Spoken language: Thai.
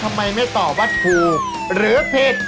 ทำไมไม่ตอบวัตถุหรือผิด